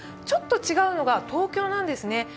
ちょっと違うのが東京なんですね。